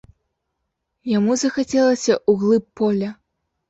Яму захацелася ў глыб поля.